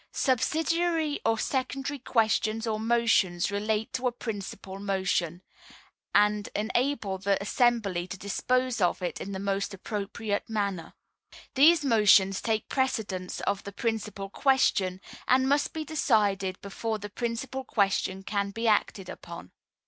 Subsidiary or Secondary Questions or Motions relate to a Principal Motion, and enable the assembly to dispose of it in the most appropriate manner. These motions take precedence of the Principal Question, and must be decided before the Principal Question can be acted upon.